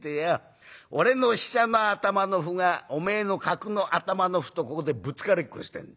俺の飛車の頭の歩がおめえの角の頭の歩とここでぶつかりっこしてんだ。